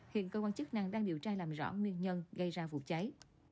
hiện cơ quan chức năng đang điều tra làm rõ nguyên nhân gây ra vụ cháy